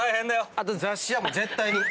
あと雑誌は絶対に。